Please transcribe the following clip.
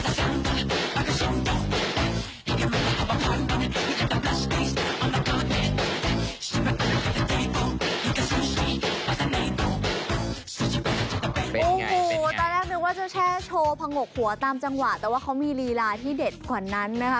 โอ้โหตอนแรกนึกว่าเจ้าแช่โชว์ผงกหัวตามจังหวะแต่ว่าเขามีลีลาที่เด็ดกว่านั้นนะคะ